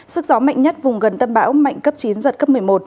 sức gió mạnh nhất vùng gần tâm bão mạnh cấp chín giật cấp một mươi một